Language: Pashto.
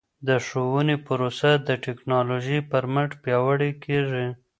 د ښوونې پروسه د ټکنالوژۍ په مټ پیاوړې کیږي.